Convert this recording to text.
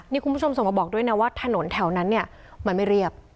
นี่คุณผู้ชมส่งมาบอกด้วยนะว่าถนนแถวนั้นเนี่ยมันไม่เรียบ